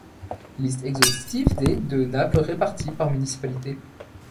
Liste exhaustive des de Naples réparties par municipalité.